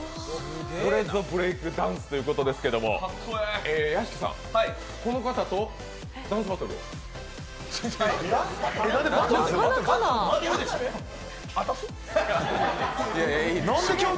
これぞブレイクダンスということですけれども、屋敷さん、この方とダンスバトルを？